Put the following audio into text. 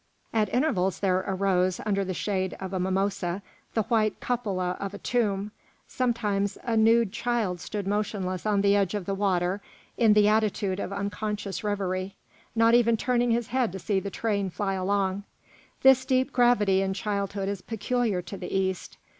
At intervals there arose, under the shade of a mimosa, the white cupola of a tomb; sometimes a nude child stood motionless on the edge of the water in the attitude of unconscious reverie, not even turning his head to see the train fly along. This deep gravity in childhood is peculiar to the East.